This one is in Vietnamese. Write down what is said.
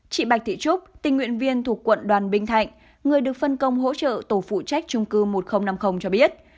chị bạch thị trúc tình nguyện viên thuộc quận đoàn bình thạnh người được phân công hỗ trợ tổ phụ trách trung cư một nghìn năm mươi cho biết